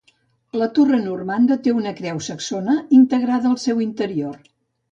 La torre normanda té una creu saxona integrada al seu interior.